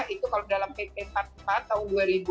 itu kalau dalam pp empat puluh empat tahun dua ribu dua